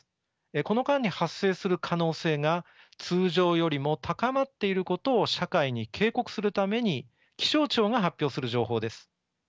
この間に発生する可能性が通常よりも高まっていることを社会に警告するために気象庁が発表する情報です。